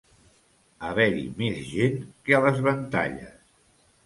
Haver-hi més gent que a les Ventalles.